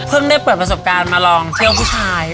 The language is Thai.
ได้เปิดประสบการณ์มาลองเที่ยวผู้ชาย